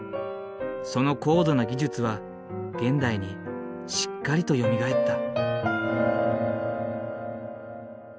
その高度な技術は現代にしっかりとよみがえった。